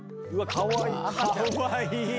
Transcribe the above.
かわいい！